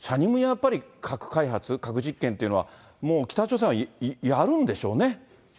やっぱり核開発、核実験っていうのは、もう北朝鮮はやるんでしょうね。